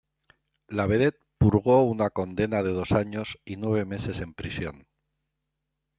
La vedette purgó una condena de dos años y nueve meses en prisión.